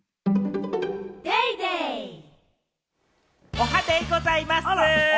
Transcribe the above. おはデイございます！